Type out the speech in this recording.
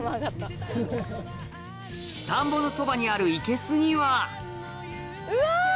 田んぼのそばにあるいけすにはうわ！